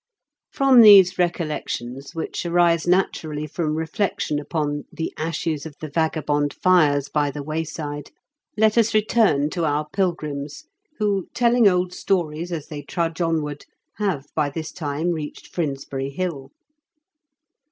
From these recollections, which arise natur ally from reflection upon "the ashes of the 40 IN KENT WITH CHABLE8 DICKENS. vagabond fires " by the wayside, let us return to our pilgrims, who, telling old stories as they trudge onward, have by this time reached Frindsbury Hill.